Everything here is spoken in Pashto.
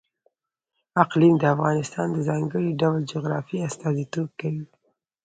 اقلیم د افغانستان د ځانګړي ډول جغرافیه استازیتوب کوي.